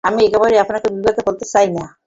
আমি একেবারেই বিপদে ফেলতে চাই না আপনাকে।